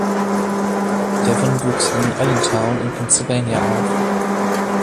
Devon wuchs in Allentown in Pennsylvania auf.